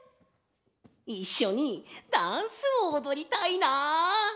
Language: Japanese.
いっしょにダンスをおどりたいな！